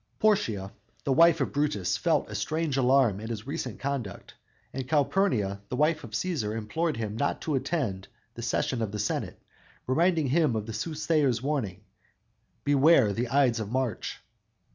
Portia, the wife of Brutus, felt a strange alarm at his recent conduct, and Calphurnia, the wife of Cæsar, implored him not to attend the session of the senate, reminding him of the soothsayer's warning "Beware the ides of March."